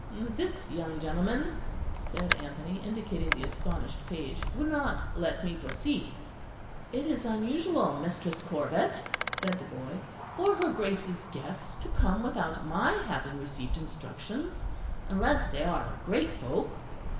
"This young gentleman," said Anthony, indicating the astonished page, "would not let me proceed." "It is unusual, Mistress Corbet," said the boy, "for her Grace's guests to come without my having received instructions, unless they are great folk."